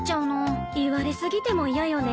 言われ過ぎても嫌よね。